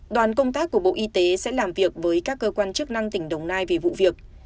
đoàn công tác của bộ y tế sẽ làm việc với các cơ quan chức năng tỉnh đồng nai về vụ việc